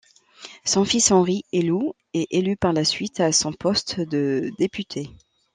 Son fils Henry Hélou est élu par la suite à son poste de député.